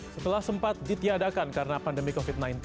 setelah sempat ditiadakan karena pandemi covid sembilan belas